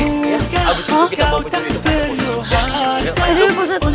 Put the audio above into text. habis itu kita bawa pencuri ke depan